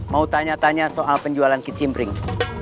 mau tanya tanya soal penjualan kicimpring